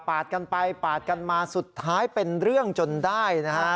กันไปปาดกันมาสุดท้ายเป็นเรื่องจนได้นะฮะ